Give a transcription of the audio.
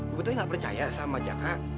ibu teh nggak percaya sama jaka